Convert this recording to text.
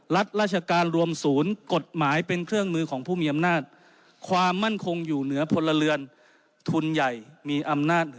รัฐราชการรวมศูนย์กฎหมายเป็นเครื่องมือของผู้มีอำนาจ